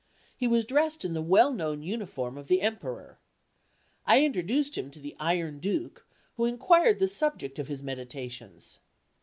He was dressed in the well known uniform of the Emperor. I introduced him to the "Iron Duke," who inquired the subject of his meditations.